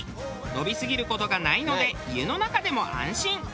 伸びすぎる事がないので家の中でも安心。